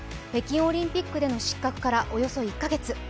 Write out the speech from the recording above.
北京オリンピックの失格からおよそ１カ月。